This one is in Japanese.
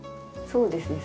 そうですね。